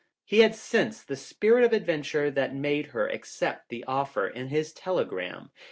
He had sensed the spirit of adventure that made her accept the offer in his telegram.